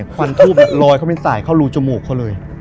ควันทูบลอยเขาไม่สายเข้ารูจมูกเขาเลย